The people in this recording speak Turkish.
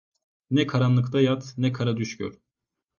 Ne karanlıkta yat, ne kara düş gör.